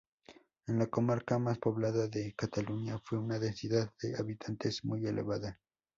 Es la comarca más poblada de Cataluña, con una densidad de habitantes muy elevada.